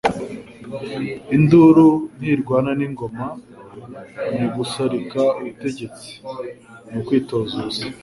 Induru ntirwana n'ingoma ni Gusarika ubutegetsi ni ukwikoza ubusa.